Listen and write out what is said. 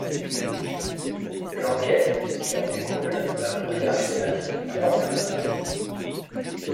L'enquête, qui en découle, va bouleverser la vie de trois personnes.